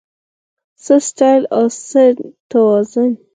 څه سټایل او څه توازن